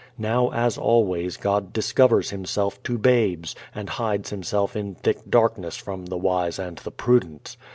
Now as always God discovers Himself to "babes" and hides Himself in thick darkness from the wise and the prudent.